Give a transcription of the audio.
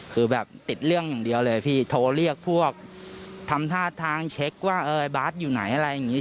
คือแบบติดเรื่องอย่างเดียวเลยพี่โทรเรียกพวกทำท่าทางเช็คว่าบาทอยู่ไหนอะไรอย่างนี้